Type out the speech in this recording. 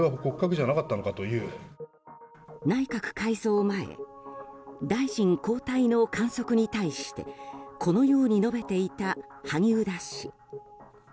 内閣改造前大臣交代の観測に対してこのように述べていた萩生田氏。